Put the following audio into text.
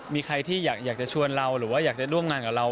มีใครที่อยากจะชวนเราหรือว่าอยากจะร่วมงานกับเรา